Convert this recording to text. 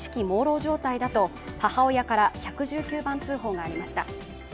もうろう状態だと母親から１１９番通報がありました。